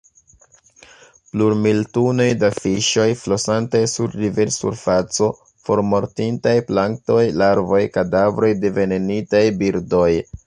Plurmil tunoj da fiŝoj flosantaj sur riversurfaco; formortintaj planktoj, larvoj; kadavroj de venenitaj birdoj.